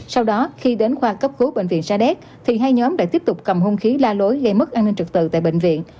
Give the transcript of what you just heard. sau đó khi đến khoa cấp cứu bệnh viện sa đéc thì hai nhóm đã tiếp tục cầm hung khí la lối gây mất an ninh trực tự tại bệnh viện